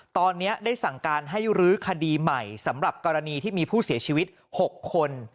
ตอนนี้ได้สั่งการให้รื้อคดีใหม่สำหรับกรณีที่มีผู้เสียชีวิต๖คน